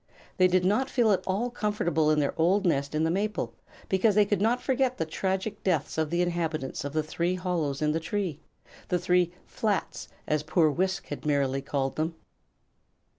They did not feel at all comfortable in their old nest in the maple, because they could not forget the tragic deaths of the inhabitants of the three hollows in the tree the three "flats" as poor Wisk had merrily called them.